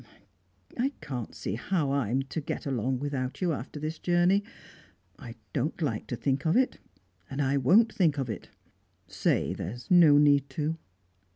I can't see how I'm to get along without you, after this journey. I don't like to think of it, and I won't think of it! Say there's no need to."